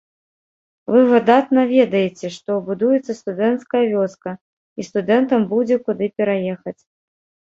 Вы выдатна ведаеце, што будуецца студэнцкая вёска, і студэнтам будзе куды пераехаць.